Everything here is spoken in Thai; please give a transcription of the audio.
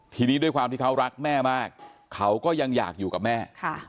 ทีนี้ด้วยความที่เขารักแม่มากเขาก็ยังอยากอยู่กับแม่